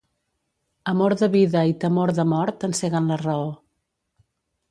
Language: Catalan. Amor de vida i temor de mort enceguen la raó.